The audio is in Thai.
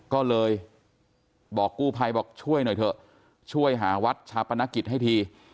ก็เลยบอกกู้ภัยบอกช่วยหน่อยเถอะช่วยหาวัดชาปนกิจให้ที